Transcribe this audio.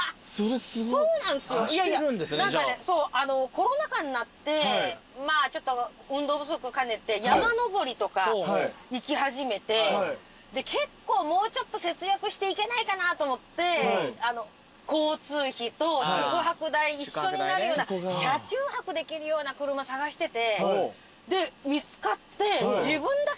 コロナ禍になってちょっと運動不足兼ねて山登りとか行き始めてもうちょっと節約して行けないかなと思って交通費と宿泊代一緒になるような車中泊できるような車探しててで見つかって自分だけ使うのは惜しいと。